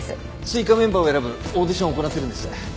追加メンバーを選ぶオーディションを行ってるんです。